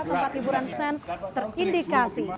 tempat hiburan sens terindikasi